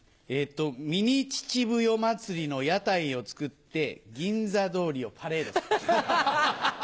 ミニ秩父夜祭の屋台を作って銀座通りをパレードする。